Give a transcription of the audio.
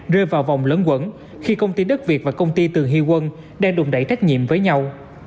rơi vào vòng lớn quẩn khi công ty đất việt và công ty từ hy quân đang đùn đẩy trách nhiệm với nhau